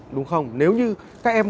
đúng không nếu như các em